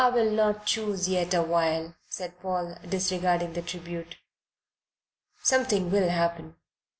"I'll not choose yet awhile," said Paul, disregarding the tribute. "Something will happen.